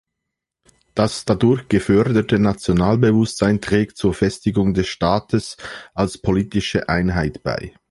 Das dadurch geförderte Nationalbewusstsein trägt zur Festigung des Staates als politische Einheit bei.